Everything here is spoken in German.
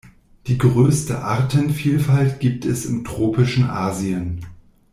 Die größte Artenvielfalt gibt es im tropischen Asien.